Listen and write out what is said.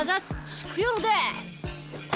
シクヨロです！